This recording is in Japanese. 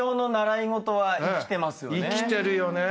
いきてるよね。